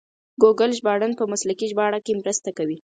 ګوګل ژباړن په مسلکي ژباړه کې مرسته کوي.